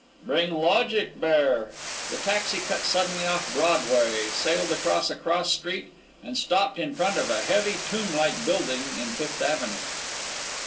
"Bring logic bear." The taxi cut suddenly off Broadway, sailed along a cross street, and stopped in front of a heavy tomb like building in Fifth Avenue.